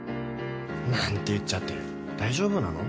なんて言っちゃって大丈夫なの？